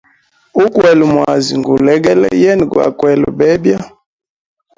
Ukwela mwazi ngulegele, yena gwa kwele bebya.